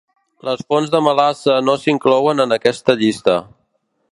Les fonts de melassa no s'inclouen en aquesta llista.